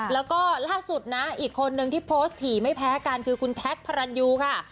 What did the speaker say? แล้วก็ล่าสุดนะอีกคนนึงที่โพสต์ถี่ไม่แพ้กันคือคุณแท็กพระรันยูค่ะ